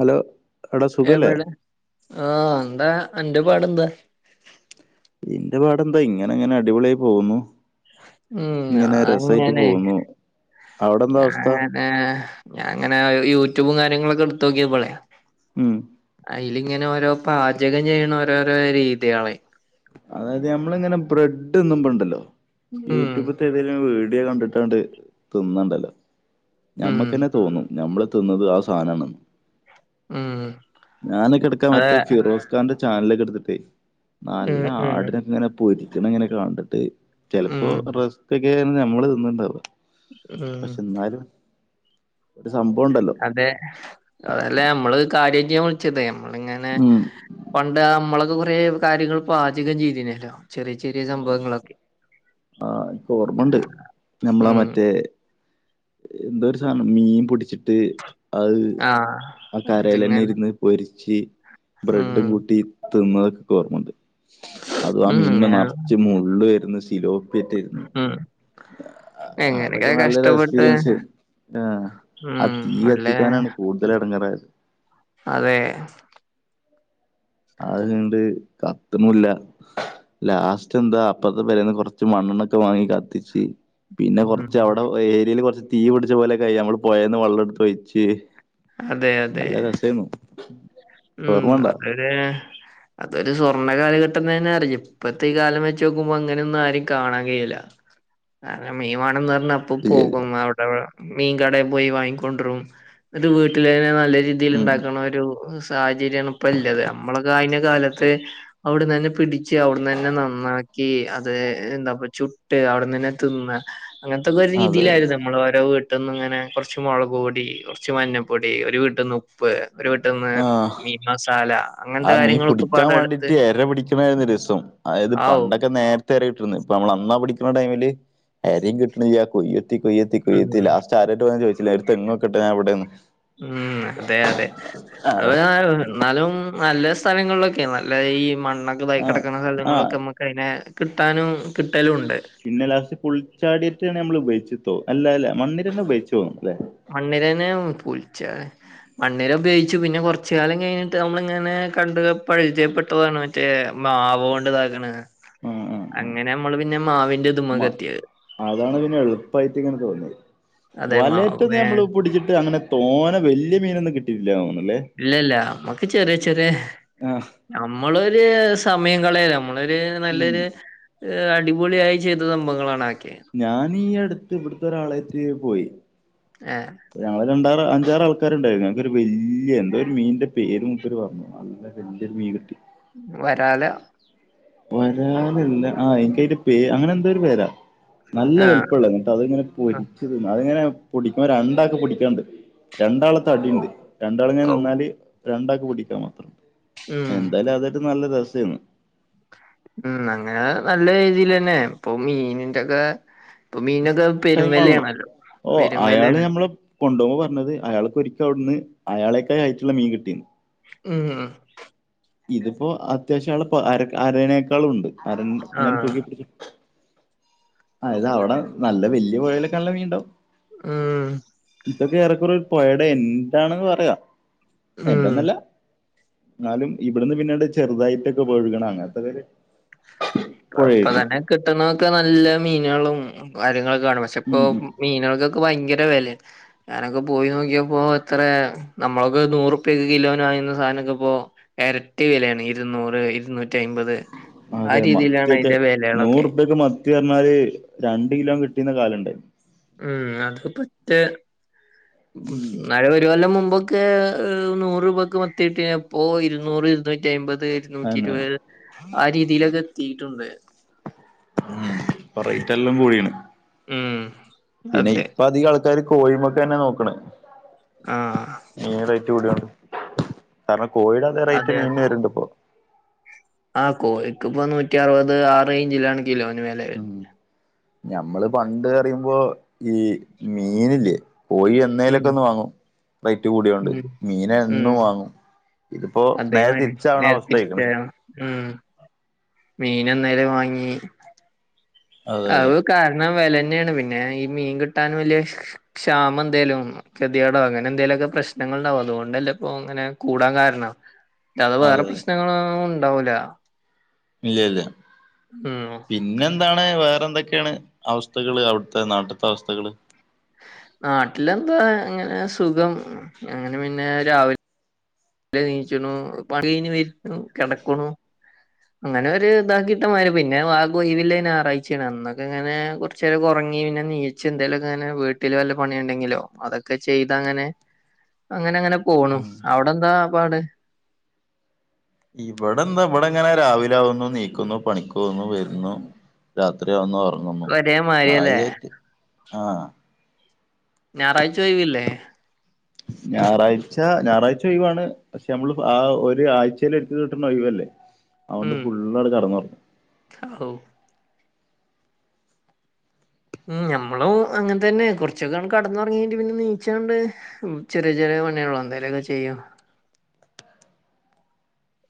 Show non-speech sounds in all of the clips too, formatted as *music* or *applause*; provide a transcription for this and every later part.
Hello എടാ സുഖല്ലേ എവിടെ ആഹ് എന്താ അന്റെ പാടെന്താ ഇന്റെ പാടെന്താ ഇങ്ങനെ ങ്ങനെ അടിപൊള്യായി പോകുന്നു ഉം ഇങ്ങനെ രസൈറ്റ് ഞാനിങ്ങനെ പോകുന്നു അവിടെ എന്താ അവസ്ഥ ഏഹ് ഞാൻ അങ്ങനെ യൂട്യൂബും കാര്യങ്ങളൊക്കെ ട്‌ത്തോക്യപ്പളെ ഉം അലിങ്ങനെ ഓരോ പാചകം ചെയ്യണ ഓരോരോ രീത്യാളെ അതായത് നമ്മളിങ്ങനെ ബ്രെഡ് ന്നുമ്പണ്ടല്ലോ ഉം യൂട്യൂബ് ത്തതില് വീഡിയോ കണ്ടിട്ടണ്ട് തിന്നണ്ടല്ലോ ഉം ഞമ്മക്കന്നെ തോന്നും ഞമ്മള് തിന്നത് ആ സാനണ് ഉം ഞാനൊക്കെ എടക്കാ അതെ മറ്റേ ഫിറോസ് ക്കാൻ്റെ ചാനലക്കട്ത്തിട്ടേ ഉം ഉം ആടിനൊക്കെ ഇങ്ങനെ പൊരിക്കണ ഇങ്ങനെ കണ്ടിട്ടെ ഉം ചിലപ്പോ റസ് പ്പേക്കാരം ഞമ്മള് തിന്നുണ്ടാവ ഉം രു സംബാണ് അതെ അതല്ലേ നമ്മള് കാര്യ ചെയ്യാൻ വിളിച്ചത് നമ്മളിങ്ങനെ ഉം പണ്ട് മ്മളൊക്കെ കൊറേ കാര്യങ്ങൾ പാചകം ചെയ്തിനല്ലോ ചെറിയ ചെറിയ സംഭവങ്ങളൊക്കെ ആ എനിക്ക് ഓർമ്മയുണ്ട്. ആഹ് നമ്മളാ ഉം മറ്റേ എന്തോ ഒരു സാധനം മീൻ പിടിച്ചിട്ട് അത് ആഹ് ആ കരെൽന്നെ അതിങ്ങനെ ഇരുന്ന് പൊരിച്ച് ബ്രെഡും ഉം കൂട്ടി തിന്നക്ഓർമ്മണ്ട് അതും ആ ഉം മീൻ മൊ ഞാൻ- നിറച്ച് മുള്ള് വരുന്ന ശിലോപ്പി ഉം എങ്ങനെയൊക്കെ പിറ്റൊരിന്ന്അതൊക്കെ നല്ല രസ കഷ്ടപ്പെട്ട് പിരൻ സിവ് ഉം അല്ലേ ആതീയ്യ്കത്തിക്കാനാണ് കൂടുതൽ എടങ്ങാറായത് അതെ അത് ഇണ്ട് ക ഇത് മുല്ല ലാസ്റ്റ് എന്താ അപ്പുറത്തെ പോരേന്ന്കൊറച്ച് മണ്ണെണ്ണൊക്കെ വാങ്ങി കത്തിച്ച് പിന്നെ ഉം കുറച്ച് അവിടെ ഏരിയയിൽ കുറച്ച് തീ പിടിച്ച പോലെൊക്കെ നമ്മൾ പുഴേന്ന് വെള്ളം എടുത്ത് ഒയിച്ച് അതെ അതെ നല്ല രസായിന്നു ഉം അതെല്ലെ അതൊരു സ്വർണ്ണ കാലഘട്ടം തന്നെ അറിയു ഇപ്പഴത്തെ ഈ കാലം വെച്ച് നോക്കുമ്പോ അങ്ങനെയ ഒന്നും ആരും കാണാൻ കഴിയില്ല കാരണം മീൻ വാണം എന്ന് പറഞ്ഞ ഇല്ല ഇല്ല ഇപ്പോപോകും അവിടെ മീൻ കടയി പോയി വാങ്ങിക്കൊണ്ട് വരും എന്നിട്ട്‌വീട്ടിൽ തന്നെ നല്ല രീതി രീതിൽ ഉം ഉണ്ടാക്ണ ഒരു സാഹചര്യമാണ് ഇപ്പല്ലത് നമ്മളൊക്കെ കയിഞ്ഞ കാലത്ത് അവിടെന്ന്ന്നെ പിടിച്ച് അവിടന്ന് തന്നെ നന്നാക്കി അത് എന്താപ്പ ചുട്ട് അവിടെന്ന് തന്നെ തിന്ന് അങ്ങനത്തെക്കൊരു അതെ അതെ രീതിയിലായിരുന്നു നമ്മൾ ഓരോ വീട്ട് പെട്ടന്ന് ഇങ്ങനെ കൊറച്ച് മുളക് പൊടി കുറച്ച് മഞ്ഞപ്പൊടി ഒരു വീട്ടിൽന്ന് ഉപ്പ് ഒരു വീട്ടന്ന് മീ ഈ മസാല അങ്ങനത്തെ ആഹ് മീൻ കാര്യങ്ങളൊക്കെ പിടിക്കാൻ പാട എടുത്ത് വേണ്ടിട്ട് ഏര പിടിക്കണതായിരുന്നു രസം അതായത് ആവു പണ്ടൊക്കെ നേരത്തെ ഇപ്പോ എരയിട്ടിരുന്നു ഇപ്പോ അന്നാ പിടിക്കണ ടൈമില് എരേം കിട്ടണ് ഇല്ലാ കുത്തി കുയ്യത്തി ഉം കുയ്യത്തി ലാസ്റ്റ് ആരട്ട് വന്ന് ചോദിച്ചില്ല ഒരു തെങ്ങ് വക്കട്ട ഞാൻ ഇവിടെന്ന് ഉം അതെ അതെ ആഹ് അതുപോലെ എന്നാലും നല്ല സ്ഥലങ്ങളിലൊക്കെയ നല്ല ഈ മണ്ണൊക്കെ ഇതായ് ആഹ് കിടക്കുന്ന ആഹ് സ്ഥലങ്ങളൊക്കെമ്മ കഴിഞ്ഞ്കിട്ടാനും കിട്ടലും ഉണ്ട് പിന്നെ ലാസ്റ്റ് പുൽച്ചാടിനെ വെച്ച് നമ്മള് ഉപയോഗിച്ച്പോം അല്ല അല്ല മണ്ണിര തന്നെ ഉപയോഗിച്ച് പോം മണ്ണിരേനെം പുൽചാ മണ്ണിര ഉപയോഗിച്ചു പിന്നെ കുറച്ച് കാലം കഴിഞ്ഞിട്ട് നമ്മളിങ്ങനെ കണ്ട് പരിചയപ്പെട്ടതാണ് മറ്റ മറ്റേ മാവ് കൊണ്ട് ഇതാക്ണ ആ ആ ആ അങ്ങനെ നമ്മള് പിന്നെ മാവിന്റെ ഇത്‌മക്ക് മ- എത്തിയത് അതാണ് പിന്നെ എളുപ്പം ഇയ്റ്റ് തോന്നിയത് അതെ മാവ് വലയറ്റ് അന്ന് നമ്മള് പിടിച്ചിട്ട് അങ്ങനെ തോനെ വലിയ മീനൊന്നും കിട്ടീട്ട് ഇല്ലന്ന് തോന്നുന്നല്ലേ ഇല്ലല്ല നമ്മുക്ക് ചെറിയ ചെറിയ ആ നമ്മളൊരു സമയം കളയല് നമ്മളൊരു ഉം. നല്ലൊരു അടിപൊളിയായി ചെയ്ത സംഭവങ്ങളാണ് അത് ഒക്കെ ഞൻ ഈ അടുത്ത് ഇവിടത്തെ ഒരാളെയിട്ട്പോയി ഏഹ് ഞങ്ങള് രണ്ടാറ് അഞ്ചാറ് ആൾക്കാര് ഉണ്ടായിരുന്നു ഞങ്ങക്കൊരു വലിയ എന്താ ഒരു മീന്റെ പേര് മൂപ്പര്പറഞ്ഞു നല്ല വലിയ ഒരു മീൻ കിട്ടി വരാലാ വരാല് അല്ല ആഹ് എനിക്ക് അയിന്റെ പേര് അങ്ങനെ എന്തോ ഒരു പേരാ നല്ല ആഹ് വലുപ്പമുള്ള എന്നിട്ട് അത്ങ്ങന പൊരിച്ച്അത് ഇങ്ങനെ പുടിക്കുമ്പോ രണ്ടാൾക് പടിക്കാണ്ട് രണ്ടാളെ തടി ആഹ് ഉണ്ട് രണ്ടാൾ ഇങ്ങനെ ഔ നിന്നാല് രണ്ടാൾക്ക് പിടിക്കാൻ മാത്രം ഉം എന്തായാലും അത്‌ നല്ല രസാരുന്നു ഉം അങ്ങനെ നല്ല രീതിൽ തന്നെ പൊങ്ങി മീനിന്റെ ഇത് ഇപ്പൊ മീനൊക്കെ പെരും ടൈം ആണല്ലോ വിലയാണല്ലോ പെരുവിലയണ് കൊണ്ടോവുമ്പോപറഞ്ഞത് അയാൾക്ക്‌ ഒരിക്കെ അവിടുന്ന് അയാളെക്കായി വെയിറ്റുള്ള മീൻ കിട്ടിന്ന് മ്ഹ് ഇതിപ്പോ അത്യാവശ്യം അയാളെ അരേനേക്കാളും ഉണ്ട് അര അങ്ങനെ ആഹ് തൂക്കി പി അല്ല അവിടെ നല്ല വല്യ പൊഴയിലൊക്കെയുള്ള മീനുണ്ടാവോ മ്ഹ് ഇതൊക്കെ ഏറെക്കുറേ പോയേടെ എന്റാണെന്ന് പറയാം ഉം എന്റെന്നല്ല എന്നാലും ഇവിടുന്ന് പിന്നീട് ചെറുതായിട്ടൊക്കെ പോഴുകണ അങ്ങനത്തെ ഒര് ഇപ്പൊ തന്നെ കിട്ടുന്നതൊക്കെ നല്ല മീനുകളും കാര്യങ്ങളൊക്കെ കാണും പക്ഷെ ഇപ്പൊ ഉം ഉം മീനുകൾക്ക് ഭയങ്കര വിലയാണ് ഞാനൊക്കെ പോയി നോക്കിയപ്പോ എത്രയാ നമ്മളൊക്കെ നൂറുപ്പിക്കൊക്കെ കിലോന് വാങ്ങിന്ന സാധനൊക്കെ ഇപ്പോ എരട്ടി വിലയാണ് ഇരുന്നൂറ് ഇരുന്നൂറ്റി അയിമ്പത് അതെ മത്തിയൊക്കെ നൂറുപക്ക് മത്തി പറഞ്ഞാല് രണ്ട് കിലോ കിട്ടീന്ന കാലോണ്ട് ഉം അത് പറ്റ് ഉം ന്നാലും ഒരു കൊല്ലം മുമ്പ് ക്കെ നൂറുരൂപക്ക് മത്തി കിട്ടി അപ്പോ ഇരുന്നൂറ് ഇരുന്നൂറ്റി അയിമ്പത് ഇരുന്നൂറ്റി അതന്നെ ഇരുപത് ആഹ് രീതിയിലൊക്കെ എത്തിട്ടുണ്ട് ഉം ഇപ്പൊ റെയിറ്റെല്ലാം കൂടിണ് ഉം പിന്നെ അതെ ഇപ്പൊ അധിക്കാൾക്കാരും കോഴിമക്കെന്നെ നോക്ക്ണെ. ആഹ് മീൻ റെയ്റ്റൂടാണ് കാരണം കോഴിടെ അതേ അതെ റെയ്റ്റ് മീൻ ന് വെര്ണ്ട് പ്പോ ആഹ് കോഴിക്ക് പ്പോ നൂറ്റ്യറുപത് ആ റെയ്ഞ്ചിലാണ് കിലോന് വെല വെര് ഉം ഞമ്മള് പണ്ട് പറിമ്പോ ഈ മീനില്ലേ കോഴി ഉം ന്നെലൊക്കൊന്ന് വാങ്ങും റേറ്റ് കൂട്യോണ്ട് ഉം ഉം മീനെന്നും വാങ്ങും. ഇത്പ്പോ നേരെ അതേമാതിരി തിരിച്ചവണ നേരെ അവസഥയ്ക്ക്ണ്. തിരിച്ചാണ് ഉം മീനെന്നെലും വാങ്ങി അതെ അതെ അതെ അത് കാരണം വേലെന്നെണ് പിന്നെ ഈ മീൻ കിട്ടാൻ വെല്ല്യ ക്ഷ് ക്ഷ ക്ഷാമ ന്തേലും വന്നോ കെത്യെടോ അങ്ങനെന്തെലൊക്കെ പ്രശ്നങ്ങള്ണ്ടാവും അതൊണ്ടല്ലെ പ്പോ ഇങ്ങനെ കൂടാൻ കാരണം അല്ലാതെ വേറെ അതെ പ്രശ്നങ്ങളൊന്നുണ്ടാവൂല. ഇല്ല്യ ല്ല ഉം പി ന്നെന്താണ് വേറെന്തൊക്കെണ് അവസ്ഥകള് അവ്ട്ത്തെ നാട്ട്ത്തെ അവസ്ഥകള് നാട്ടിലെന്താ അങ്ങനെ സുഖം അങ്ങനെ പിന്നെ രാവി ലെ നീച്ച്ണു പണി കയ്ഞ്ഞ് വെര്ന്നു കെടക്ക്ണു. അങ്ങനൊര് ഇതാക്കിട്ടമാരി പിന്നെ ആ കൊയ് വിലേ ഞാറാഴ്ച്യാണ് അന്നൊക്കെങ്ങനെ കൊർ ചെരൊക്കെ ഒർങ്ങി പിന്നെ നീച് എന്തെലൊക്കെങ്ങനെ വീട്ടില് വല്ല പണി ഉണ്ടെങ്കിലോ അതൊക്കെ ചെയ്തങ്ങനെ അങ്ങനങ്ങനെ പോണു. ഉം അവടെന്താ പാട്? ഇവടെന്താ ഇബടെങ്ങനെ രാവിലാകുന്നു നീക്കുന്നു പണിക്കോവുന്നു വെര്ന്നു. രാത്രിയാവുന്നു ഓർങ്ങുന്നു ഒരേ മാരിയല്ലേ കാര്യായിട്ട് ആഹ് ഞായറാഴ്ച്ചൊയ് വില്ലേ ഞായറാഴ്ച ഞായറാഴ്ചൊഴ് വാണ് പക്ഷെ അമ്മള് ആ ഒരു ആഴ്‌ച്ചേലൊര്ക്കെ കിട്ട്ണ ഒഴിവല്ലേ അതൊണ്ട് ഫുള്ളട് കട്ന്നോർങ്ങി. കൗ ഉം ഞമ്മളു അങ്ങൻ തന്നെ കൊർച്ചൊക്കണ്ട് കട്ന്നൊർങ്ങ്യാണ്ട് പിന്നെ നീച്ചണ്ട് ഉം ചെറ്യെ ചെറ്യെ പണികളോ എന്തേലൊക്കെ ചെയ്യും.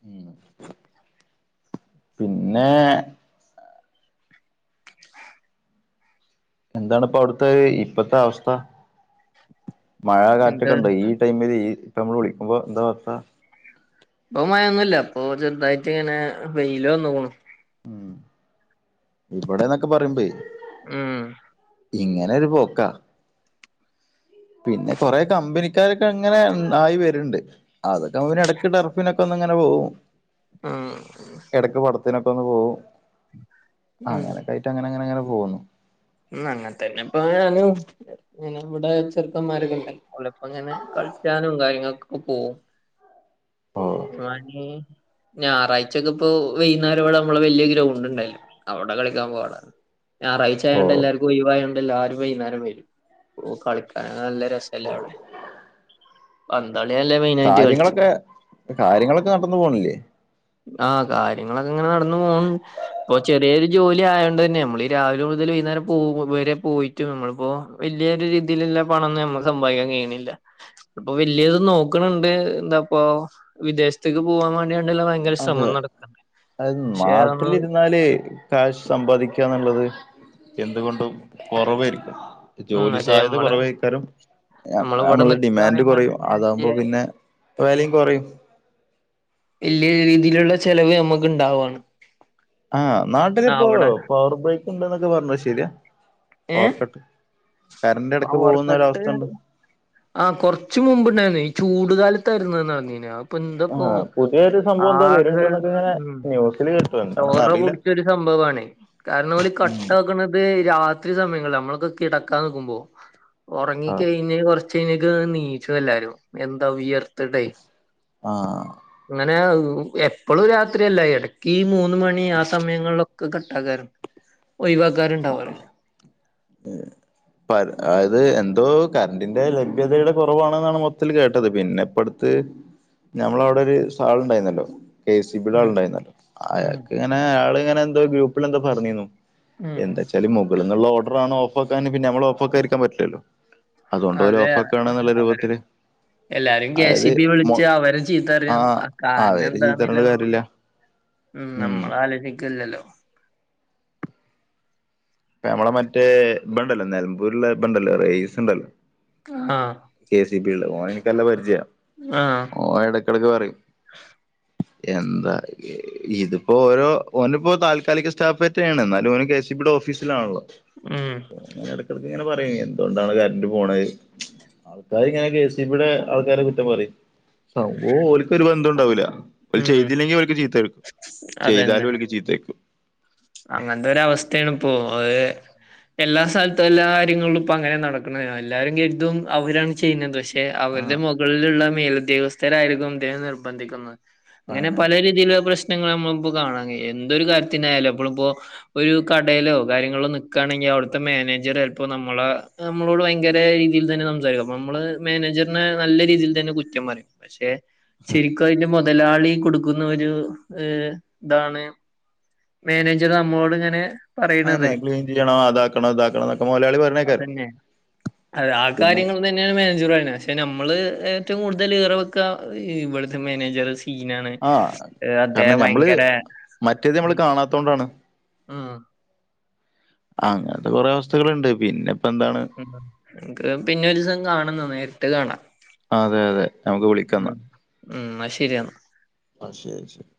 ഉം പിന്നെ എന്താണ് പ്പോ അവട്ത്തെ ഇപ്പത്തെ അവസ്ഥ മഴ എന്താ കാറ്റൊക്കെണ്ടോ ഈ ടൈമ്‌ല് ഈ *unintelligible* വിളിക്കുമ്പോൾ എന്താ വസ്ഥ അപ്പ മയൊന്നുല്ല ഇപ്പൊ ചെറ്തായിട്ട് ങ്ങനെ വെയില് വന്നോക്ക്ണു. ഉം ഇബടെന്നൊക്കെ പറിമ്പെയ് ഉം ഇങ്ങനൊരു പോക്കാ പിന്നെ കൊറെ കമ്പനിക്കാരൊക്കെ ങ്ങനെ ആയി വെര്ണ്ട്. അതൊക്കെ എടക്ക് ടർഫിനൊക്കൊന്ന് ങ്ങനെ പോവും ഉം എടക്ക് പടത്തിനൊക്കൊന്ന് പോവും ഉം അങ്ങനെക്കയിട്ടങ്ങന ങ്ങനെ ങ്ങനെ പോവുന്നു. ഉം അങ്ങൻത്തന്നെപ്പൊ *unintelligible* ഞങ്ങളവടെ ചെറ്ക്കന്മാരൊക്കെണ്ട് അവലൊപ്പങ്ങനെ കളിച്ചാനും കാര്യങ്ങക്കൊക്കെ പോവും. *unintelligible* ആഹ് *unintelligible* ഞായറാഴ്ചക്കെ പ്പോ വൈകുന്നേരംവടെ അമ്മളെ വെല്യ ഗ്രൗണ്ട് ണ്ടാല്ലോ അവടെ കളിക്കാൻ പോവാ *unintelligible* ഓ ഞാറാഴ്ചായോണ്ട് എല്ലാര് കൊയ് വായോണ്ടെല്ലാരും വൈന്നാരം വരും ഓഹ് കളിക്കൻ നല്ല രസല്ലവടെ ഉം പന്തള്യല്ലേ മെയിൻ കാര്യങ്ങളൊക്കെ കാര്യങ്ങളൊക്കെ നടന്ന് പോണില്ലേ? ആഹ് കാര്യങ്ങളൊക്കെ ങ്ങനെ നടന്ന് പോകുന്നു. ഇപ്പോ ചെറിയൊരു ജോലി ആയോണ്ടെന്നെ നമ്മളീ രാവിലെ കൂടുതൽ വൈകുന്നേരം പോ വരെ പോയിട്ടും നമ്മളിപ്പോ വലിയൊരു രീതിയിലുള്ള പണമൊന്നും നമ്മക്ക് സമ്പാദിക്കാൻ കഴിയിണില്ല ഇപ്പൊ വലിയത് നോക്ക്ണണ്ട് എന്താപ്പ വിദേശത്തേക്ക് പോവാൻ വേണ്ടിയണ്ടല്ലോ വ അതെ അത് അതൊന്നും നാട്ടിലിരുന്നാല് കാശ് സമ്പാദിക്കാ ന്ന്ള്ളത് എന്തുകൊണ്ടും കൊറവായിരിക്കും ഉം ജോലി അതെ സാധ്യത നമ്മളെ കൊറവേക്കാരം നമ്മളിവിടെ നമ്മെള നിക്കാ ഡിമാൻഡ് പറയുമ്പോ കൊറയും തന്നെ അതാവു മ്പോ വലിയ പിന്നെ പ്പ വെലിം കോറിം ല്ല്യേ രീതില്ള്ള ചെലവ് നമ്മക്ക് ണ്ടാവാണ് ആഹ് നാട്ടിലിപ്പോ പവർ ബ്രേക്ക് ഉണ്ട് ന്നക്കെ പറഞ്ഞത് ശരിയാ പവർ കട്ട് കറന്റ് ഇടക്ക് പോകുന്ന പവർക്കട്ട് ഒരവസ്ഥ ഉണ്ട് ആഹ് കൊറച്ച് മുമ്പ്ണ്ടായിന്ന് ഈ ചൂടു കാലത്തായിരുന്നന്ന് നടന്നീന്ന് പെന്തപ്പോ ആഹ് ആകെ ഉം ഡോസിൽ കിട്ടും ചോറ കുടിച്ചൊരു സംഭവാണ് കാരനോൽ കട്ടാക്ക്ണത് രാത്രി സമയങ്ങളില നമ്മളൊക്കെ കിടക്കാൻ നിക്കുമ്പോ ഒറങ്ങി ആഹ് കഴിഞ്ഞ കൊറച്ച കഴിഞ്ഞക്ക് നീച്ചല്ലാരും എന്താ ഉയർ തിട്ടെ ആഹ് ങ്ങനെ എപ്പളും രാത്രിയല എ ട ഈ മൂന്ന് മണി ആ സമയങ്ങളിലൊക്കെ കട്ടാക്കാർണ്ട് ഒഴിവാക്കാറ്ണ്ടാവാ ഏ അതായത് എന്തോ കറന്റിന്റെ ലഭ്യതയുടെ കൊറവാണ് ന്നാണ് മൊത്തത്തിൽ കേട്ടത് പിന്നെ പ്പോ ത് ഞമ്മള വിടെ ഒരു സാള് ഉണ്ടായിന്നല്ലോ കെ സി ബിയുടെ ആള ഉം ണ്ടായിന്ന് ഉം അയാൾക്ക് ങ്ങനെ അയാൾ ഇങ്ങനെ എന്തോ ഗ്രൂപ്പിൽ എന്തോ പറഞ്ഞിന്നു ഉം എന്താ ച്ചാല് മുകളിൽന്നുള്ള ഓഡർ ആണ് ഓഫ് ആക്കാന് പിന്നെ നമ്മള് ഓഫാക്കാതിരിക്കാൻ പറ്റില്ലല്ലോ അതുകൊണ്ട് ഓല് അതെ ഓഫ് ആക്കാണ് എന്നുള്ള അവര് രൂപത്തില് എല്ലാരും കെ അതായത് സി ബി മൊ വിളിച്ച്ച് അവര് ചീത്തറിയും ആഹ് കാരണം അവര് ചീത്ത പറഞ്ഞിട്ട് എന്താന്നല്ലതോന്നും കാര്യമില്ല ഉം നമ്മള ആലോചിക്കല്ലല്ലോ പ്പ നമ്മളെ മറ്റേ ബണ്ടല്ലോ നിലമ്പൂരിലെ ബണ്ടല്ലോ റഹീസ് ണ്ടല്ലോ ആഹ് കെ സി ബി ള്ളെ ഓ എനക്ക് ല്ല പരിചയാ ആഹ് ഓ എടക്കെടക്ക് പറയും എന്താ ഇതിപ്പോ ഓരോ ഓനിപ്പോ താൽ ക്കാലിക സ്റ്റാഫ്റ്റെണ് ന്നാലും ഓ കെ സ് ഇ ബിടെ ഓഫ് ഫീസിലാണല്ലോ ഉം എടക്ക്പറെയെ എന്തുകൊണ്ടാണ് കരന്റ് പോണത് ആൾക്കാര് ങ്ങനെ കെ സ് ഇ ബി ടെ ആൾക്കാരെ കുറ്റം പറയും സംഭവം ഓൽക്കൊരു ബന്ധും ണ്ടാവൂല്ല ഓല് ഉം ചെയ്തില്ലെങ്കിഓല്ക് ചീത്തേക്കും ചെയ്താലും ഓല്ക് ചീത്തേക്കും അങ്ങനത്തൊര അവസ്ഥയണിപ്പോ അത് എല്ലാ സൽത്തും എല്ലാ ആര്യങ്ങളും ഇപ്പൊ അങ്ങന നടക്ണത് അല്ലാരും കെര്തും അവരാണ് ചെയ്യുന്നത്പഷേ ക്ഷേ അവരുടെ ആഹ് മൊകളിലുള്ള മേലുദ്യോഗസ്ഥരായിരിക്കും ദ്ദേഹം നിർബന്ധിക്കുന്നത് ങ്ങനെ അങ്ങനെ പല രീതിയിലുള്ള പ്രശ്നങ്ങള് നമ്മളിപ്പോ കാണാകഴിയും എന്തൊരു കാര്യത്തിനായാലും അപ്പോ ളിപ്പോ ഒരു കടേലോ കാര്യങ്ങളോന്ക്കാണെങ്കി അവിടുത്തെ മാനേജർചൽപ്പോനമ്മളെ നമ്മളോട് ഭയങ്കര രീതിയിൽ തന്നെ സംസാരിക്കും അപ്പനമ്മള് മാനേജറിനെ നല്ല രീതിയിൽ തന്നെ കുറ്റംപറിം പക്ഷെ ശരിക്കു അതിന്റെമൊതലാളി കൊടുക്കുന്ന ഒരു ഇതാണ് മേനേജർ നമ്മളോട്ങ്ങനെ അങ്ങനെക്ലീൻചെയ്യണോ അതാക്കണോ ഇതാക്കണം ന്നൊക്കെ മൊയ്ലാളി പറഞ്ഞേകാരം അതന്നെ അത് ആ പിന്നെ കാര്യങ്ങൾ തന്നെയാണ് മാനേജർയ പക്ഷെ നമ്മള് ഏറ്റവും കൂടുതല് ഈറവെക്ക ഇവിട് ത്തെമാനേജർസി ആഹ് കാരണം സീനാണ്അദ്ദേഹംഭയങ്കര ത്തൊണ്ടാണ് ഉം ആഅങ്ങൻത്തെ കൊറെ അവസ്ഥകളൂണ്ട് പിന്നെ ഇപ്പന്താണ് ക്ക് പിന്നെ ഒരു ദിസം കാണന്നുണ്ട്നേരിട്ട് കാണാ അതെ അതെനമക്ക് വിളികാന്ന ഉം എന്നാ ശരിയെന്നാ ശെരി ശെരി